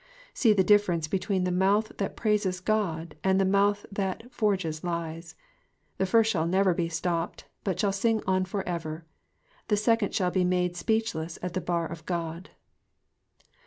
'' See the difference between the mouth that praises God, and the mouth that forges lies : the first shall never be stopped, but shall sing on for ever ; the second shall be made speechless at the bar of God.